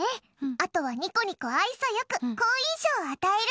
あとは、にこにこ愛想良く好印象を与える。